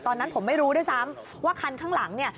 ตอนนั้นผมไม่รู้ด้วยซ้ำว่าคันข้างหลังเนี่ย